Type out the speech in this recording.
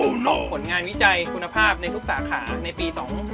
การสอนงานวิจัยคุณภาพในทุกสาขาในปี๒๐๒๑